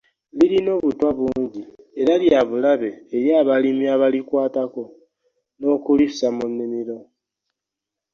Lirina obutwa bungi era lya bulabe eri abalimi abalikwatako n’okulissa mu nnimiro.